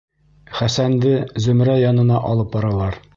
Хәсәнде Зөмрә янына алып баралар.